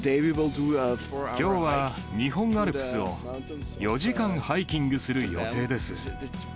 きょうは日本アルプスを４時間ハイキングする予定です。